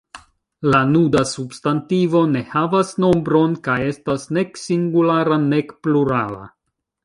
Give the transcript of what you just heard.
La nuda substantivo ne havas nombron, kaj estas nek singulara nek plurala.